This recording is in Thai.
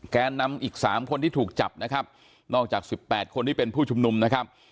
แกนนำอีก๓คนที่ถูกจับนะครับนอกจากสิบแปดคนที่เป็นผู้ชุมนุมนะครับ